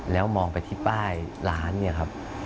แล้วมองไปที่ป้ายร้านเนี่ยครับ